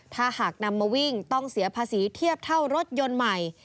ถ้าหากนำมาวิ่งต้องเสียภาษีเทียบเท่ารถยนต์ใหม่